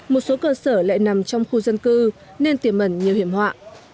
một số cơ sở lại nằm trong khu dân cư nên tiềm ẩn nhiều hiểm họa